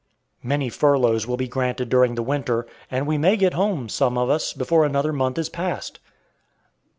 Many furloughs will be granted during the winter, and we may get home, some of us, before another month is past.